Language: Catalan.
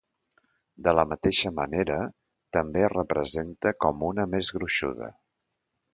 De la mateixa manera, també es representa com una més gruixuda.